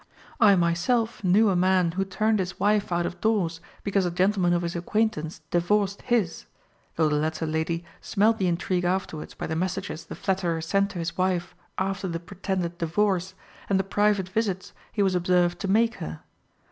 1 myself knew a man who turned his wife out of doors because a gentleman of his acquaintance divorced his, though the latter lady smelt the intrigue afterwards by the messages the flatterer sent to his wife after the pretended divorce and the private visits he was observed to make her.